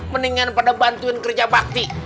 mendingan pada bantuin kerja bakti